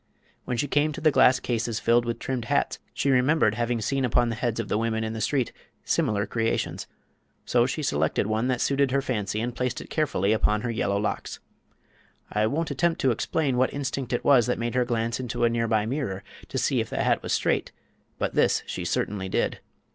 When she came to the glass cases filled with trimmed hats she remembered having seen upon the heads of the women in the street similar creations. So she selected one that suited her fancy and placed it carefully upon her yellow locks. I won't attempt to explain what instinct it was that made her glance into a near by mirror to see if the hat was straight, but this she certainly did.